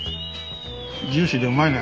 ジューシーでうまいね。